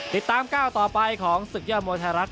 ติดตามก้าวต่อไปของศึกยอดมวยไทยรัฐ